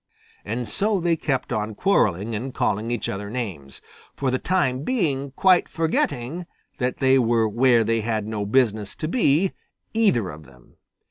And so they kept on quarreling and calling each other names, for the time being quite forgetting that they were where they had no business to be, either of them.